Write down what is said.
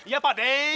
iya pak dek